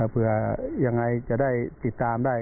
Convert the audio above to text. เผื่อยังไงจะได้ติดตามได้